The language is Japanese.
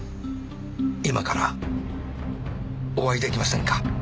今からお会いできませんか？